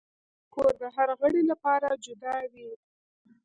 الماري د کور د هر غړي لپاره جدا وي